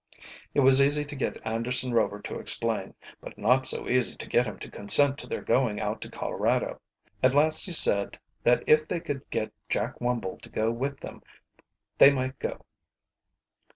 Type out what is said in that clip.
It was easy to get Anderson Rover to explain, but not so easy to get him to consent to their going out to Colorado. At last he said that if they could get Jack Wumble to go with them they might go.